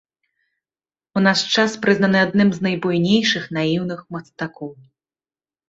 У наш час прызнаны адным з найбуйнейшых наіўных мастакоў.